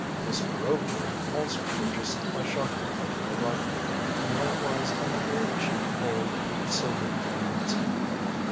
Mr. Rover also purchased a shot gun and a rifle, and likewise a number of cheap gold and silver trinkets.